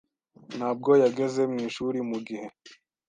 ntabwo yageze mwishuri mugihe.